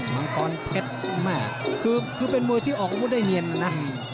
มังกรเพชรแม่คือเป็นมวยที่ออกอาวุธได้เนียนนะนะ